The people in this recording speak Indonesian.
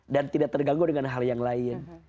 dan tidak terganggu dengan hal yang lain